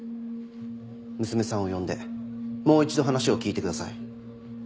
娘さんを呼んでもう一度話を聞いてください。